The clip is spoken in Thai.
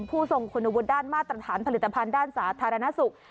ผู้ทรงคุณวุฒิด้านมาตรฐานผลิตภัณฑ์ด้านสาธารณสุข